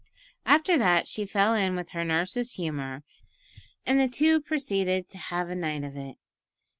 After that she fell in with her nurse's humour, and the two proceeded to "have a night of it."